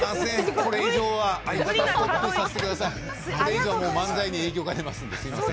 これ以上は漫才に影響が出ます。